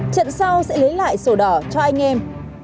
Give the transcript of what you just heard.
trận sau sẽ lấy lại sổ đỏ cho anh em